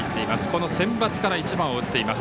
このセンバツから１番を打っています。